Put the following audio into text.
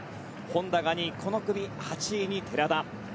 本多が２位この２組８位に寺田。